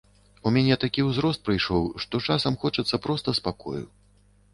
У мяне такі ўзрост прыйшоў, што часам хочацца проста спакою.